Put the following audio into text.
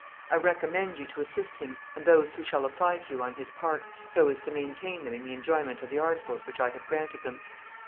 I recommend you to assist him and those who shall apply to you on his part, so as to maintain them in the enjoyment of the articles which I have granted them.